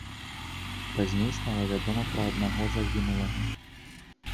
Пазней стала вядома пра аднаго загінулага.